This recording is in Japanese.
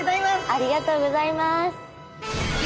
ありがとうございます！